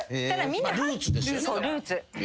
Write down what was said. ルーツ。